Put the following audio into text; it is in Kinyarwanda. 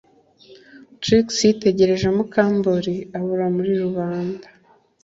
Trix yitegereje Mukandoli abura muri rubanda